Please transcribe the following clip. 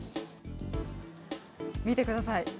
見てください。